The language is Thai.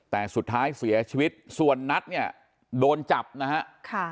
แต่สุดท้ายเสียชีวิตส่วนนัทเนี่ยโดนจับนะฮะ